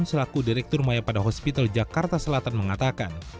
selaku direktur mayapada hospital jakarta selatan mengatakan